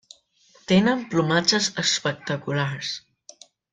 Tenen plomatges espectaculars.